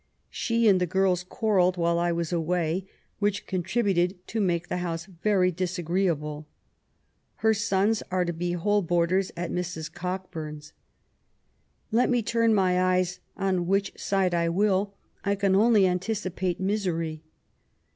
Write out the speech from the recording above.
She and the girls quarrelled while I was away, which contributed to make the house very disagreeable. Her sons are to be whole boarders at Mrs. Gockbum's. Let me turn my eyes on which side I will, I can only anticipate misery.